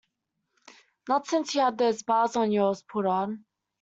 Not since you had those bars of yours put on.